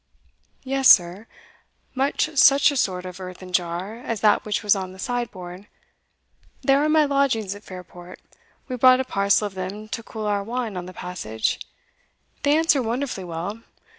"Yes, sir, much such a sort of earthen jar as that which was on the sideboard. They are in my lodgings at Fairport; we brought a parcel of them to cool our wine on the passage they answer wonderfully well.